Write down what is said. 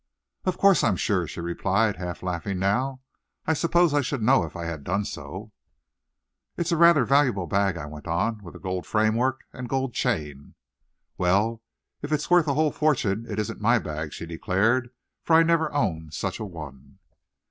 "Of course I'm sure," she replied, half laughing now; "I suppose I should know it if I had done so." "It's a rather valuable bag," I went on, "with a gold frame work and gold chain." "Well, if it's worth a whole fortune, it isn't my bag," she declared; "for I never owned such a one."